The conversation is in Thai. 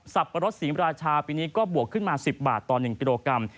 ปะรดศรีมราชาปีนี้ก็บวกขึ้นมา๑๐บาทต่อ๑กิโลกรัม